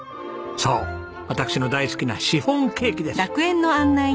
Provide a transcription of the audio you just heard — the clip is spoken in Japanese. そう私の大好きなシフォンケーキです。